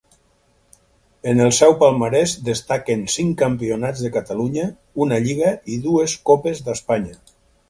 En el seu palmarès destaquen cinc campionats de Catalunya, una lliga i dues copes d'Espanya.